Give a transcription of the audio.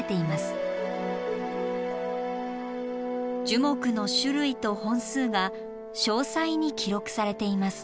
樹木の種類と本数が詳細に記録されています。